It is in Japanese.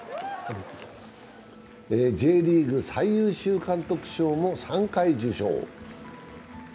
Ｊリーグ最優秀監督賞も３回受賞。